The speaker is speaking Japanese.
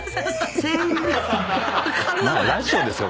ラジオですか？